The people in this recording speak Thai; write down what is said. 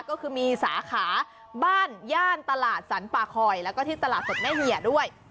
ก็คือมีสาขาบ้านย่านตลาดสรรปาคอยแล้วก็ที่ตลาดสดแม่เหี่ยด้วย